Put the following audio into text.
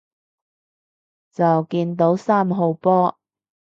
就見到三號波